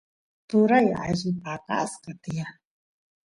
turay alli paqasqa tiyan